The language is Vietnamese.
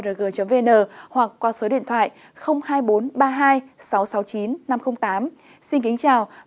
xin kính chào và hẹn gặp lại quý vị và các bạn trong những video tiếp theo